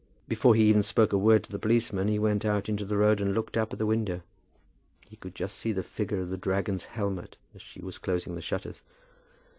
Before he even spoke a word to the policeman he went out into the road and looked up at the window. He could just see the figure of the dragon's helmet as she was closing the shutters.